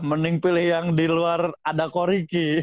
mending pilih yang di luar ada koriki